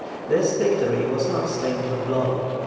This victory was not stained with blood.